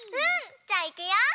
じゃあいくよ。